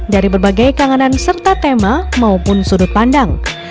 dari berbagai kangenan serta tema maupun sudut pandang